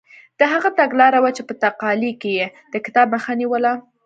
دا هغه تګلاره وه چې په تقالي کې یې د کتاب مخه نیوله.